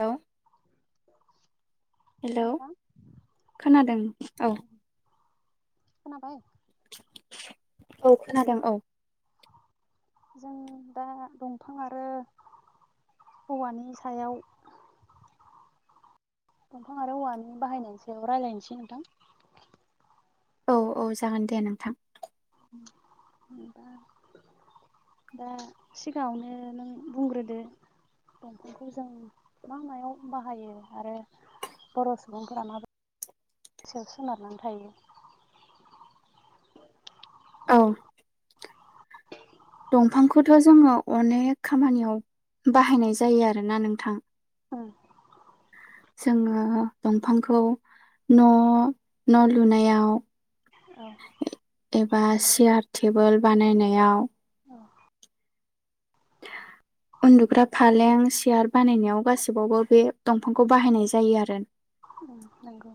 Hello हेल' hello नोंथां खोनादों औ खोनाबाय औ खोनादों औ जों दा दंफां आरो औवानि सायाव दंफां आरो औवानि बाहायनायनि सायाव रायलायनोसै नोंथां औ औ जागोन दे नोंथां उम होनबा दा सिगाङावनो नों बुंग्रोदो दंफांखौ जों मा मायाव बाहायो आरो बर' सुबुंफोरा माबोरै [inaudible] सायाव सोनारनानै थायो औ [unintelligible] दंफांखौथ' जोङो अनेक खामानियाव बाहायनाय जायो आरोना नोंथां उम जोङो दंफांखौ न' न' लुनायाव औ एबा सियार टेबोल बानायनायाव औ [inaudible] उन्दुग्रा फालें सियार बानायनायाव गासिबावबो बे दंफांखौ बाहायनाय जायो आरो उ नंगौ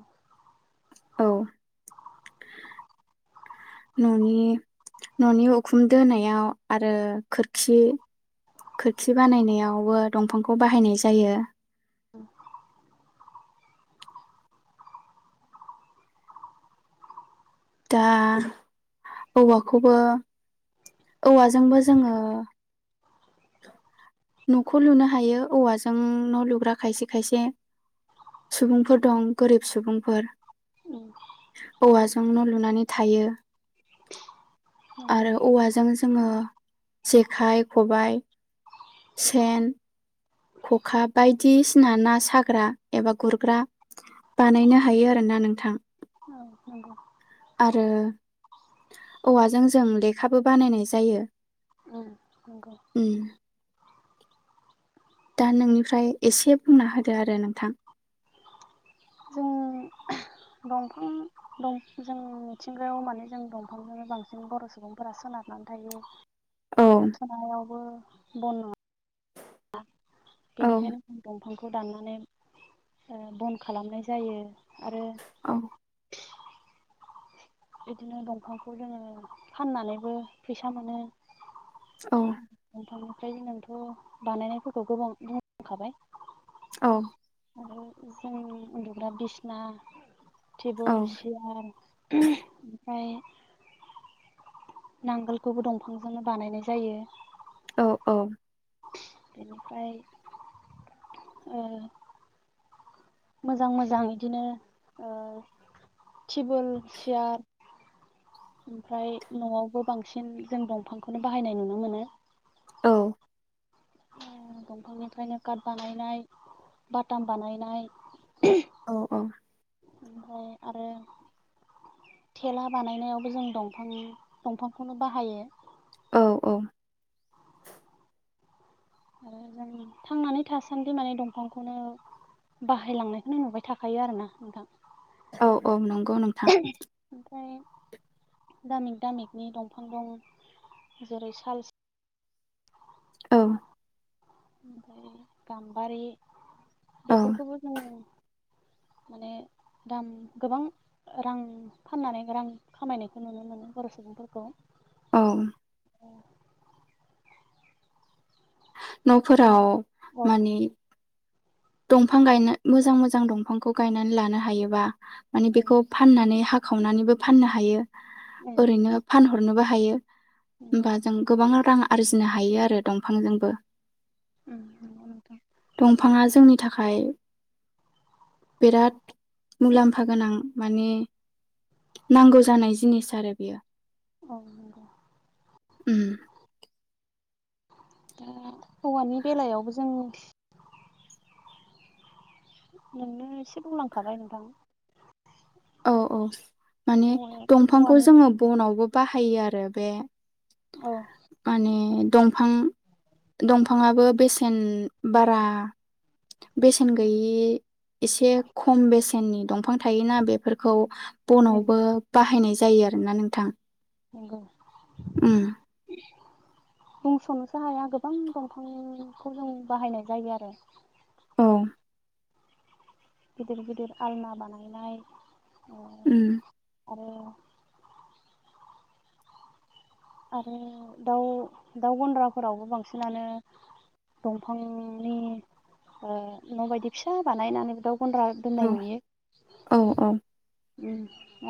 औ [inaudible] न'नि न'नि उखुम दोनायाव आरो खोरखि खोरखि बानायनायावबो दंफांखौ बाहायनाय जायो [inaudible] दा औवाखौबो औवाजोंबो जोङो न'खौ लुनो हायो औवाजों न' लुग्रा खायसे खायसे सुबुंफोर दं गोरिब सुबुंफोर उम औवाजों न' लु लुनानै थायो नंगौ आरो औवा जों जो जोङो जेखाइ, खबाइ, सेन खखा बायदिसिना ना साग्रा एबा गुरग्रा बानायनो हायो आरोना नोंथां। औ नंगौ। आरो औवाजों जों लेखाबो बानायनाय जायो‌। उम नंगौ। दा नोंनिफ्राय एसे बुंना होदो आरो नोंथां। जों दंफां दंफ जों मिथिंगायाव माने जों दंफांखोनो बांसिन बर' सुबुंफोरा सोनार सोनारनानै थायो औ सायावबो बन नुवा औ बेनिखायनो जों दंफांखौ दाननानै ओ‌ बन्द खालामनाय जायो। आरो औ बिदिनो दंफांखौ जोङो फाननानैबो फैसा मोनो। औ दंफांनि फ्राय जोंनानोथ' बानायनायफोरखौ गोबां बुंखाबाय औ आरो ओमफ्राय उ उन्दुग्रा बिसना थिबलस, सियार उम फाय नांगोलखौबो दंफांजोंनो बानायनाय जायो। औ औ ओमफ्राय ओ मोजां मोजां इदिनो ओ थेबोल, सियार ओमफ्राय न'आवबो बांसिन जों दंफांखौनो बाहायनाय नुनो मोनो। औ ओ दंफांनिफ्रायनो काट बानायनाय बाटाम बानायनाय औ औ ओमफाय आरो थेला बानायनायावबो जों दंफां दंफांखौनो बाहायो। औ औ आरो जों थांनानै थासान्दि माने दंफांखौनो बाहायलांनायखौनो नुबाय थाखायो आरो ना नोंथां। औ औ नंगौ नोंथां। ओमफ्राय दामिक दामिकनि दंफां दं जेरै साल, सि औ ओमफाय गाम्बारि औ बेफोरखौबो जोङो माने दान गोबां ओ रां फाननानै रां खामायनायखौ नुनो मोनो बर' सुबुंफोरखौ औ जों न'फोराव औ मानि दंफां गायनो मोजां मोजां दंफांखौ गायनानै लानो हायोबा माने उम बेखौ फाननानै हाखावनानैबो फाननो हायो उम ओरैनो फानहरनोबो ह हायो नंगौ ओमबा जों गोबां रां आरजिनो हायो आरो दंफांजोंबो। उम नंगौ नोंथां दंफाङा जोंनि थाखाय बिराद मुलाम्फा गोनां माने नांगौ जानाय जिनिस आरो बेयो औ नंगौ। उम दा हौवानि बेलायावबो जों नोंनो एसे बुंलांखाबाय नोंथां औ औ माने दंफांखौ औवानि जोंङो बनावबो बाहायो आरो बे औ माने दंफां दंफाङाबो बेसेन बारा बेसेन गैयि एसे खम बेसेननि दंफां थायोना बेफोरखौ उम बनावबो बाहायनाय जायो जायो आरोना नोंथां नंगौ ओम [unintelligible] बुंस'नोसो हाया गोबां दंफांखौ जों बाहायनाय जायो आरो औ गिदिर गिदिर आलना बानायनाय ओम आरो आरो दाउ दाउ गनन्द्राफोरावबो बांसिनानो दंफांनि अ न बायदि फिसा बानायनानै दा गनद्रा औ दोननाय नुयो औ औ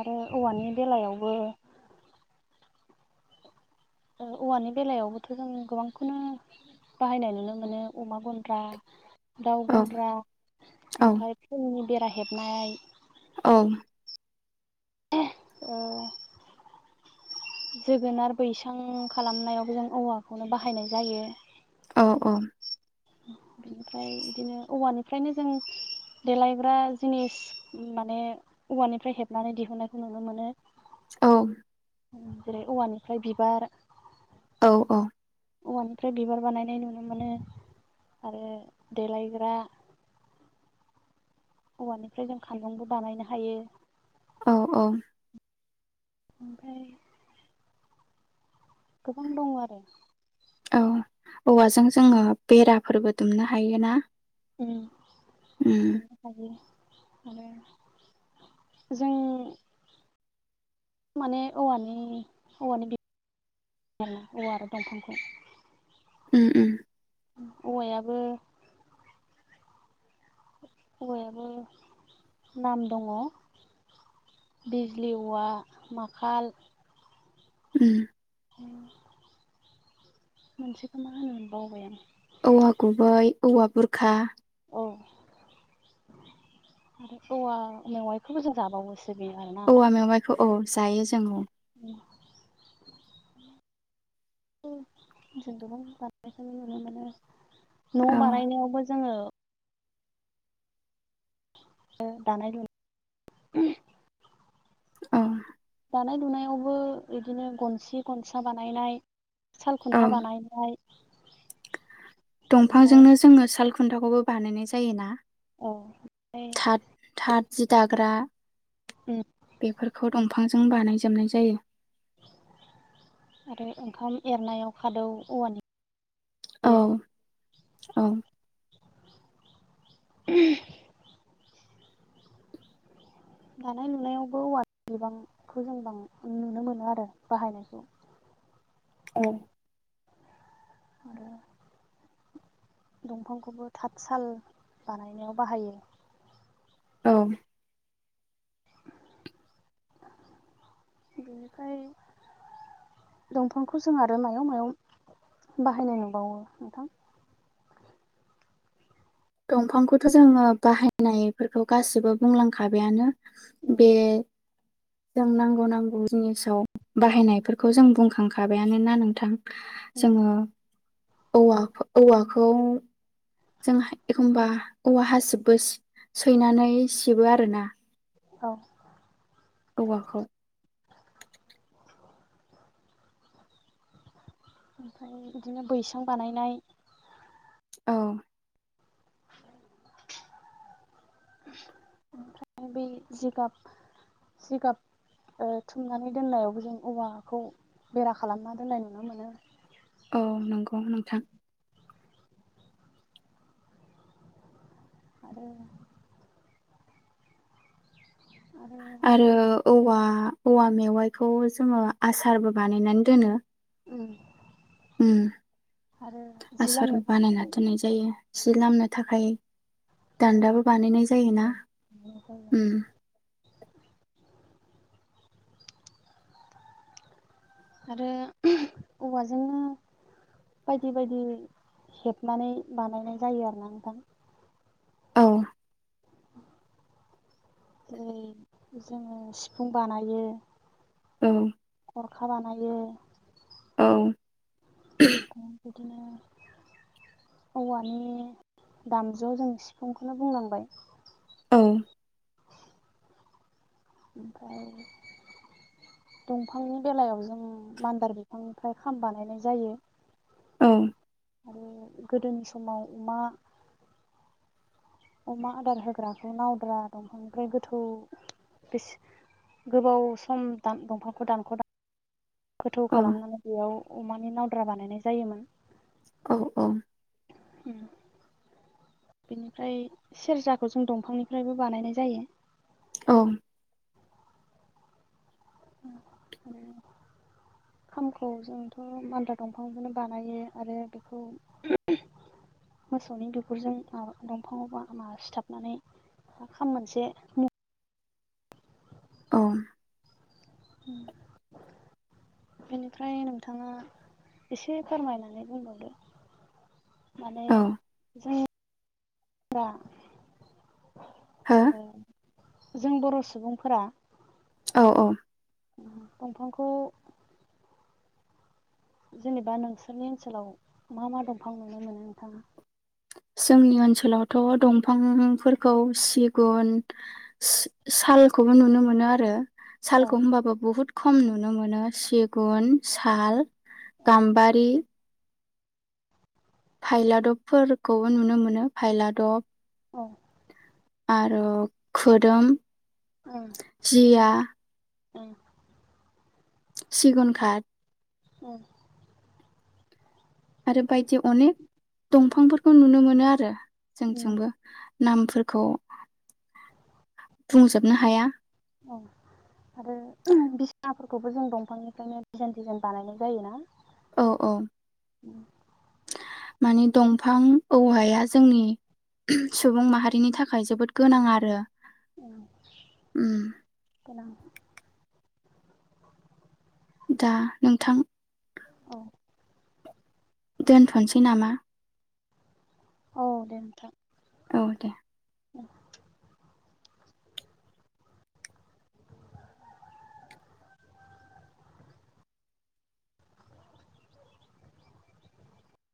आरो औवानि बेलायावबो औवानि बेलायावबोथ' जों गोबांखौनो बाहायनाय नुनो मोनो अमा गन्द्रा दाउ औ गन्द्रा औ ओमफय फुलनि बेरा हेबनाय औ [unintelligible] जोगोनार बैसां खालामनायावबो जों औवाखौनो बाहायनाय जायो औ औ बिनिफ्राय बिदिनो औवानिफ्रायनो जों देलायग्रा जिनिस माने औवानिफ्राय हेबनानै दिहुनायखौ नुनो मोनो औ जेरै औवानिफ्राय बिबार औ औ औवानिफ्राय बिबार बानायनाय नुनो मोनो आरो देलायग्रा [unintelligible] औवानिफ्राय जों खानजुंबो बानायनो हायो औ औ ओमफ्राय गोबां दंङो आरो औ औवाजों जोंङो बेराफोरबो दुमनो हायो ना। उम [inaudible] [unintelligible] आरो जों माने औवानि औवानि औवार आरो दंफांखौ उम उम औवायाबो। बययाबो नाम दंङ। बिज बिजलि माखाल। उम मोनसेखौ मा होनो बावबाय आं। औवा गुबै औवा बुरखा। औ [inaudible] आरो औवा मेवाइखौबो जों जाबावो। बेया ना। औवा मेवाइखौ औ जायो जों औ उम जों गोबां बारनाय नुनो मोनो। न' औ बानायनायावबो जोङो आरो दानाय लुनाय अ दानाय लुनायावबो बिदिनो गनसे गनसा बानायनाय साल औ खुन्था बानायनाय ओमफ्राय दंफांजोंनो जोङो साल खुन्थाखौबो बानायनाय जायोना? औ ओमफ्राय थ थाद जि दाग्रा बेफोरखौ दंफांजों बानायजोबनाय जायो। आरो ओंखाम एरनायाव खादौ औवानि। औ होयो औ [inaudible] दानाय लुनायावबो औवा बिबांखौ जों बां नुनो मोनो आरो बाहायनायखौ। [inaudible] औ। आरो दंफांखौबो थाथसााल बानायनायाव बाहायो। औ। बेनिफ्राय दंफांखौ जों आरो मायाव मायाव बाहायनाय नुबावो नोंथां? दंफांखौथ' जोङो बाहायनायफोरखौ गासिबो बुंलांखाबायानो। उम बे। जों नांगौ नांगौ जिनिसाव बाहायनायफोरखौ जों बुंखांखाबायानोना नोंथां। उम जोङो औ औवाखौ जों एखम्बा औवा हासिबबो सैनानै सिबो आरोना। औ। औवाखौ ओमफ्राय बिदिनो बैसां बानायनाय। औ। जिगाब जिगाप थुमनानै दोननायावबो जों औवाखौ बेरा खालामना दोननाय नुनो मोनो। औ नंगौ नोंथां। आरो। आरो औवा औवा मेवाइखौ जोङो आसारबो बानायनानै दोनो। उम। आरो जि आसार लामनो बानायना थाखाय दोननाय जायो जि लामनो थाखाय। औवा दान्दाबो बानायनाय जायोना आरो औवाजोंनो। बायदि बायदि हेबनानै बानायनाय जायो आरोना नोंथां। औ ओै जोङो सिफुं बानायो औ। हरखा बानायो। औ नोंथां बिदिनो। औवानि दामजुआव जों सिफुंखौनो बुंलांबाय। औ ओमफ्राय दंफांनि बेलायाव जों मान्दार बिफांनिफ्राय खाम बानायनाय जायो औ। आरो गोदोनि समाव अमा अमा आदार होग्राखौ नावद्रा दंफां ओमफ्राय गोथौ बेसे गोबाव सम दंफांखौ दानख' दान। गोथौ औ खालामनानै बेयाव अमानि नावद्रा बानायनाय जायोमोन। औ औ। उ बेनिफ्राय सेरजाखौ जों दंफांनिफ्रायबो बानायनाय जायो। औ। उ खामखौ जोंथ' बान्द्रा दंफांखौनो बानायो, आरो बेखौ मोसौनि बिगुरजों मा दंफाङावबा मा सिथाबनानै खाम मोनसे औ उ बेनिफ्राय नोंथाङा एसे फोरमायनानै बुंबावदो। माने जों बा हा? जों बर' सुबुंफोरा औ औ दंफांखौ जेनेबा नोंसोरनि ओनसोलाव मा मा दंफां नुनो मोनो नोंथाङा? जोंनि ओनसोलावथ' दंफांफोरखौ सिगुन हालखौबो नुनो मोनो आरो। औ सालखौ होनोमबाबो बुहुत खम नुनो मोनो सिगुन, साल औ गाम्बारि फायलादबफोरखौबो नुनो मोनो, फायलादब। औ आरो खोदोम, जिया औ सिगुनखाद उ आरो बायदि अनेक दंफांफोरखौ नुनो मोनो आरो ओं जोंजोंबो। नामफोरखौ बुंजोबनो हाया। औ आरो। बिसिनाफोरखौबो जों दंफांनिफ्रायनो डिजाइन डिजाइन बानायनाय जायो ना। औ औ मानिे दंफां औवाया जोंनि सुबुं माहारिनि थाखाय जोबोद गोनां आरो। [unintelligible] उम औ [unintelligible] दा नोंथां औ दोनथ'सै नामा? औ दे नथां। औ दे औ